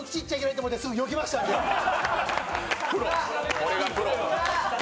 これがプロ。